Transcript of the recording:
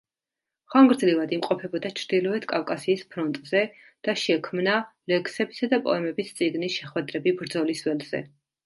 ხანგრძლივად იმყოფებოდა ჩრდილოეთ კავკასიის ფრონტზე და შექმნა ლექსებისა და პოემების წიგნი „შეხვედრები ბრძოლის ველზე“.